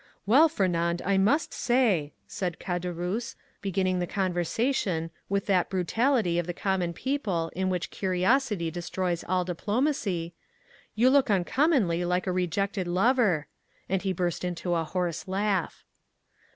"Well, Fernand, I must say," said Caderousse, beginning the conversation, with that brutality of the common people in which curiosity destroys all diplomacy, "you look uncommonly like a rejected lover;" and he burst into a hoarse laugh.